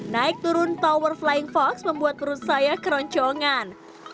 naik turun tower flying fox membuat perut saya keroncongan